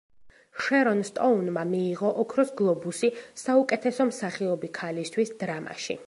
შერონ სტოუნმა მიიღო ოქროს გლობუსი საუკეთესო მსახიობი ქალისთვის დრამაში.